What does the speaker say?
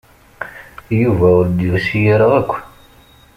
Yuba ur d-yusi ara akk.